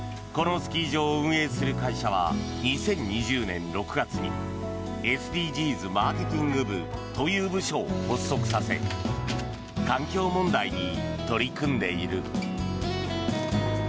このスキー場を運営する会社は２０２０年６月にＳＤＧｓマーケティング部という部署を発足させ環境問題に取り組んでいる。